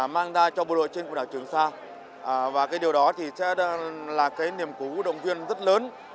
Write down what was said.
mang ra cho bộ đội trên quần đảo trường sa và cái điều đó thì sẽ là cái niềm cú động viên rất lớn